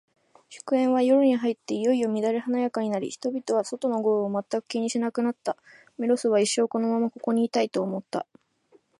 祝宴は、夜に入っていよいよ乱れ華やかになり、人々は、外の豪雨を全く気にしなくなった。メロスは、一生このままここにいたい、と思った。